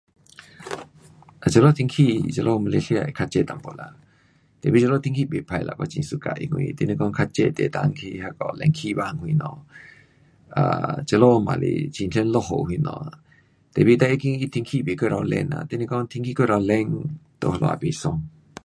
啊这里天气，这里马来西亚会较热一点嘞。tapi 这里天气不错啦，我很 suka 因为你若是较热你能够去那个冷气房什么，um 这里也是很常落雨什么，tapi 最要紧它天气不过头冷呐，你若讲天气过头冷，在那里也不爽。